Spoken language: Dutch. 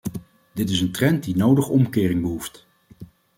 Dit is een trend die nodig omkering behoeft.